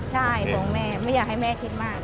ใช่ของแม่ไม่อยากให้แม่คิดมาก